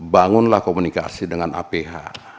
bangunlah komunikasi dengan aph